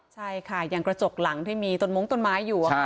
ใช่ค่ะอย่างกระจกหลังที่มีต้นมงต้นไม้อยู่